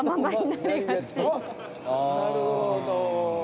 なるほど。